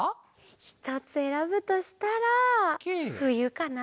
ひとつえらぶとしたらふゆかな！